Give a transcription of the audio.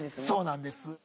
そうなんです。